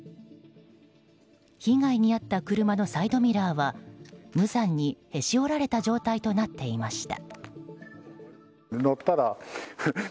被害に遭った車のサイドミラーは無残にへし折られた状態となっていました。